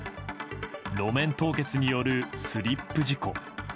路面凍結によるスリップ事故。